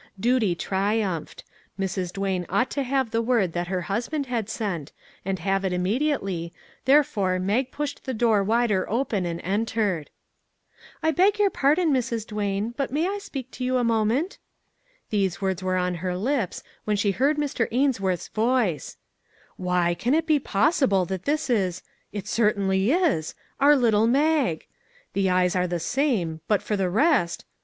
Duty triumphed; Mrs. Duane ought to have the word that her husband had sent, and have it immediately, therefore Mag pushed the door wider open and entered. " I beg your pardon, Mrs. Duane, but may I speak to you a moment? " These words were 347 MAG AND MARGARET on her lips when she heard Mr. Ainsworth's voice :" Why, can it be possible that this is it cer tainly is our little Mag! The eyes are the same, but for the rest